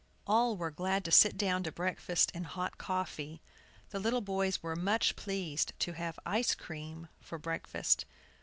All were glad to sit down to breakfast and hot coffee. The little boys were much pleased to have "ice cream" for breakfast.